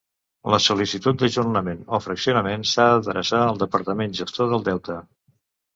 La sol·licitud d'ajornament o fraccionament s'ha d'adreçar al departament gestor del deute.